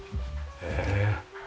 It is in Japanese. へえ。